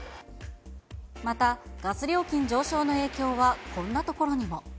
また、ガス料金上昇の影響はこんなところにも。